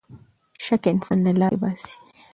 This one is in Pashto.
شک انسان له لارې باسـي.